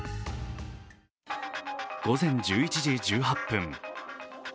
午前１１時１８分。